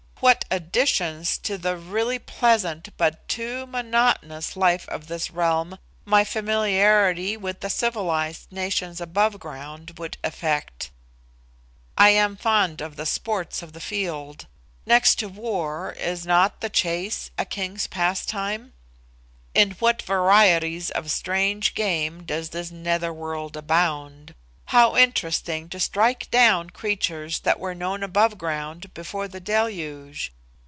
What additions to the really pleasant but too monotonous life of this realm my familiarity with the civilised nations above ground would effect! I am fond of the sports of the field. Next to war, is not the chase a king's pastime? In what varieties of strange game does this nether world abound? How interesting to strike down creatures that were known above ground before the Deluge!